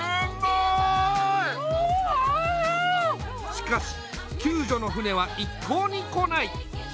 しかし救助の船は一向に来ない。